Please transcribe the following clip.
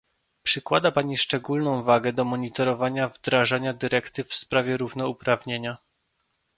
Przykłada pani szczególną wagę do monitorowania wdrażania dyrektyw w sprawie równouprawnienia